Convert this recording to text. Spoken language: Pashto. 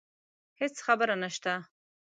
هیڅ خبره نشته